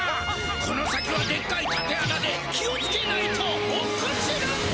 この先はでっかいたてあなで気をつけないと落っこちるんだ！